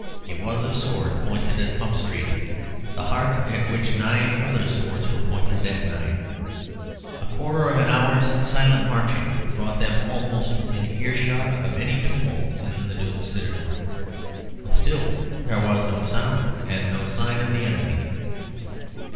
It was a sword pointed at Pump Street, the heart at which nine other swords were pointed that night. A quarter of an hour's silent marching brought them almost within earshot of any tumult in the doomed citadel. But still there was no sound and no sign of the enemy.